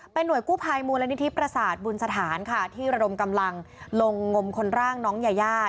หน่วยกู้ภัยมูลนิธิประสาทบุญสถานค่ะที่ระดมกำลังลงงมคนร่างน้องยายา